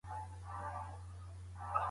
د ټولني هر غړی خپله ځانګړې دنده لري.